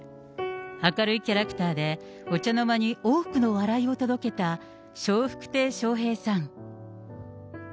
明るいキャラクターで、お茶の間に多くの笑いを届けた笑福亭笑瓶さん。